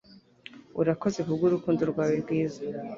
Urakoze kubw'urukundo rwawe rwiza,